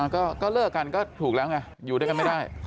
ก็เลิกกันก็ถูกแล้วไงอยู่ด้วยกันไม่ได้